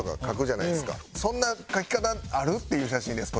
そんな書き方ある？っていう写真です。